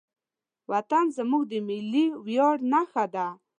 وطن زموږ د ملي ویاړ نښه ده.